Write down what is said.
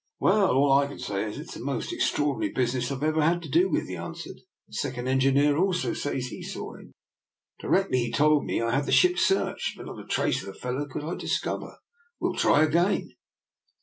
" Well, all I can say is that it's the most extraordinary business I ever had to do with," he answered. " The second engineer also says he saw him. Directly he told me I had the ship searched, but not a trace of the fel low could I discover. We'll try again."